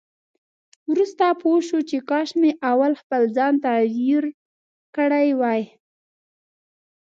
وروسته پوه شو چې کاش مې اول خپل ځان تغيير کړی وای.